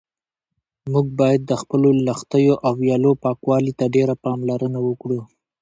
موږ باید د خپلو لښتیو او ویالو پاکوالي ته ډېره پاملرنه وکړو.